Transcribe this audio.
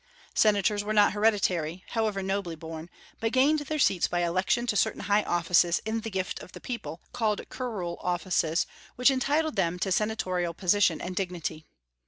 Senators were not hereditary, however nobly born, but gained their seats by election to certain high offices in the gift of the people, called curule offices, which entitled them to senatorial position and dignity.